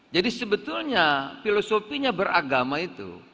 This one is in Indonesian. jadi sebetulnya filosofinya beragama itu